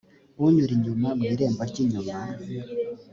unyura inyuma mu irembo ry inyuma